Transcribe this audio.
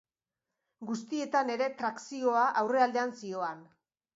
Guztietan ere, trakzioa aurrealdean zihoan.